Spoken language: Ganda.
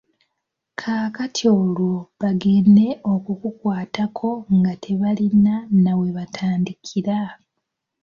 Kaakati olwo bagende okukukwatako nga tebalina nawebatandikira.